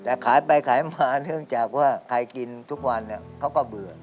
แต่ขายไปขายมาเนื่องจากว่าใครกินทุกวันเขาก็เบื่อ